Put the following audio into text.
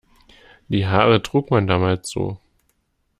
Die Haare trug man damals so.